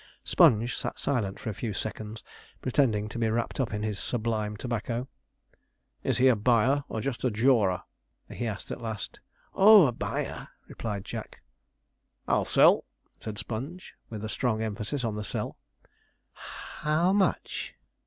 Sponge sat silent for a few seconds, pretending to be wrapt up in his 'sublime tobacco.' 'Is he a buyer, or just a jawer?' he asked at last. 'Oh, a buyer,' replied Jack. 'I'll sell,' said Sponge, with a strong emphasis on the sell. 'How much?'